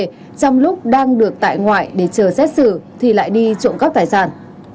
trong lúc đang được tại ngoại để chờ xét xử thì lại đi trộm cắp tài sản